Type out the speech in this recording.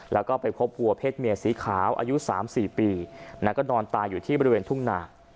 แล้วก็ไปพบวัวเพศเมียสีขาวอายุ๓๔ปีแล้วก็นอนตายอยู่ที่บริเวณทุ่งนา